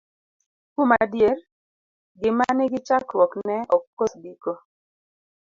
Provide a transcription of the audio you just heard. Kuom adier gima nigi chakruok ne ok kos giko.